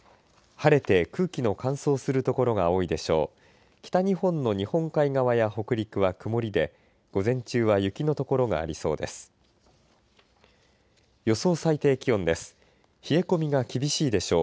晴れて空気の乾燥する所が多いでしょう。